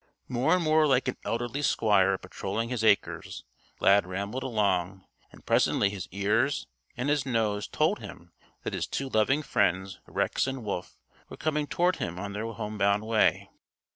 More and more like an elderly squire patrolling his acres, Lad rambled along, and presently his ears and his nose told him that his two loving friends Rex and Wolf were coming toward him on their home bound way.